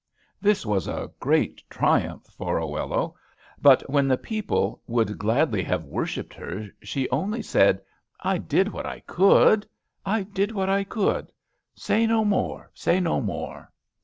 This was a great triumph for Oello; but when the people would gladly have worshipped her, she only said, "I did what I could, I did what I could, say no more, say no more."